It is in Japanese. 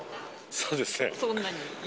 そうですね。